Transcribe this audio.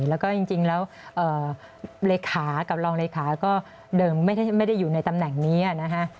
แล้วก็จริงแล้วเลขากับรองเลขาก็เดิมไม่ได้อยู่ในตำแหน่งนี้นะคะ